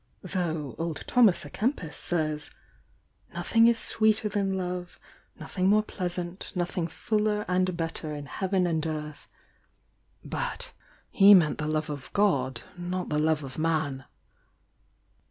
— though old Thomas a Kempis says: 'Nothing is sweeter than love, nothing more pleasant, nothing fuller and ill' THE YOUNG DIANA i'25 better m Heaven and earth'; but he meant the love of God, not the love of man."